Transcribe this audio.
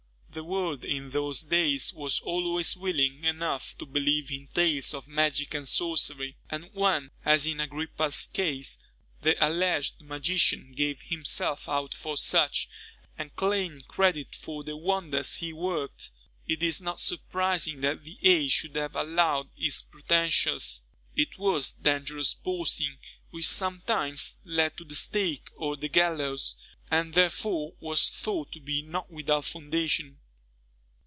The world in those days was always willing enough to believe in tales of magic and sorcery; and when, as in Agrippa's case, the alleged magician gave himself out for such, and claimed credit for the wonders he worked, it is not surprising that the age should have allowed his pretensions. It was dangerous boasting, which sometimes led to the stake or the gallows, and therefore was thought to be not without foundation.